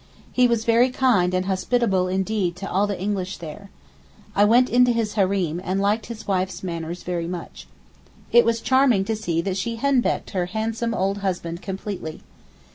He was very kind and hospitable indeed to all the English there. I went into his hareem, and liked his wife's manners very much. It was charming to see that she henpecked her handsome old husband completely.